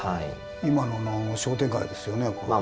今の商店街ですよねこれ。